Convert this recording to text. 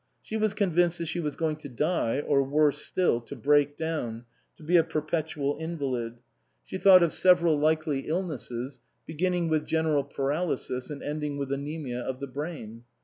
She was convinced that she was going to die, or worse still, to break down, to be a perpetual invalid. She thought of several 229 SUPERSEDED likely illnesses, beginning with general paralysis and ending with anaemia of the brain.